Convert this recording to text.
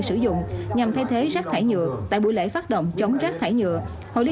sử dụng nhằm thay thế rác thải nhựa tại buổi lễ phát động chống rác thải nhựa hội liên